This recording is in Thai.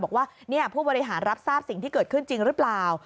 บอกว่าผู้บริหารรับทราบสิ่งที่เกิดขึ้นจริงหรือเปล่า